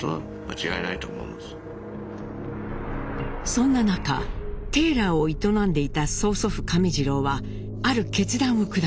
そんな中テーラーを営んでいた曽祖父亀治郎はある決断を下します。